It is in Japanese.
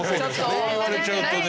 そう言われちゃうとね。